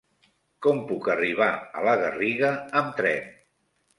Com puc arribar a la Garriga amb tren?